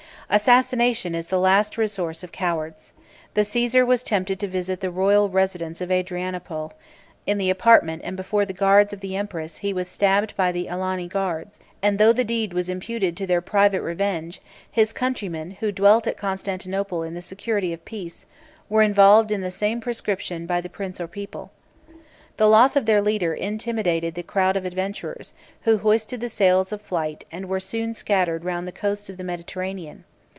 Assassination is the last resource of cowards. The Cæsar was tempted to visit the royal residence of Adrianople; in the apartment, and before the eyes, of the empress he was stabbed by the Alani guards; and though the deed was imputed to their private revenge, 498 his countrymen, who dwelt at Constantinople in the security of peace, were involved in the same proscription by the prince or people. The loss of their leader intimidated the crowd of adventurers, who hoisted the sails of flight, and were soon scattered round the coasts of the Mediterranean.